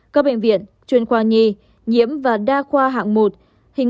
các bệnh viện chuyên khoa nhi nhiễm và đa khoa hạng một